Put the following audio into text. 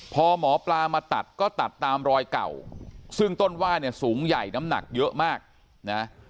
พอหมอปลามาตัดก็ตัดตามรอยเก่าซึ่งต้นว่าเนี่ยสูงใหญ่น้ำหนักเยอะมากนะ